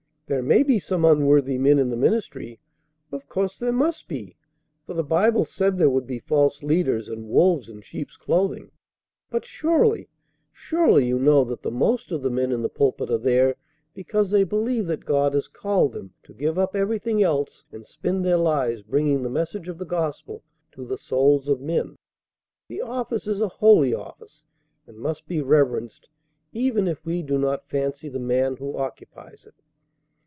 There may be some unworthy men in the ministry. Of course there must be, for the Bible said there would be false leaders and wolves in sheep's clothing; but surely, surely you know that the most of the men in the pulpit are there because they believe that God has called them to give up everything else and spend their lives bringing the message of the gospel to the souls of men. The office is a holy office, and must be reverenced even if we do not fancy the man who occupies it.